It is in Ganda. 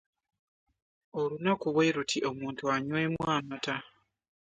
Olunaku bwe luti omuntu anywe mu mata.